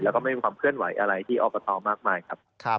แล้วก็ไม่มีความเคลื่อนไหวอะไรที่อบตมากมายครับ